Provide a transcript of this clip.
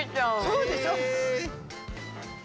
そうでしょ！